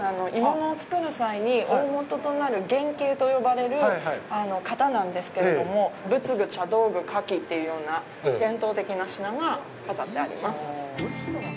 鋳物を作る際に大もととなる「原型」と呼ばれる型なんですけれども、仏具、茶道具、花器というような伝統的な品が飾ってあります。